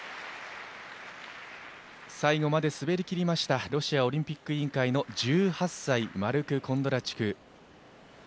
最後まで滑りきりましたロシアオリンピック委員会の１８歳、マルク・コンドラチュク。